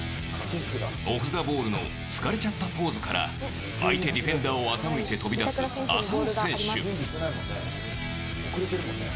オフ・ザ・ボールの疲れちゃったポーズから相手ディフェンダーを欺いて飛び出す浅野選手。